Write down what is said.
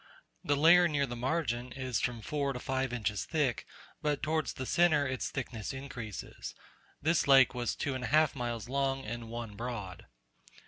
The layer near the margin is from four to five inches thick, but towards the centre its thickness increases. This lake was two and a half miles long, and one broad.